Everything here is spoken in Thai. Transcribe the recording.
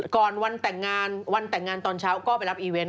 ก่อนวันแต่งงานวันแต่งงานตอนเช้าก็ไปรับอีเวนต